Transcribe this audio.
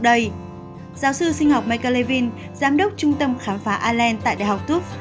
giáo sư sinh học michael levin giám đốc trung tâm khám phá allen tại đại học tufts